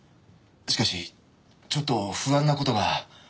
しかしちょっと不安な事が。